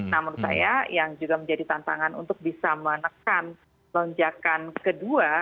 nah menurut saya yang juga menjadi tantangan untuk bisa menekan lonjakan kedua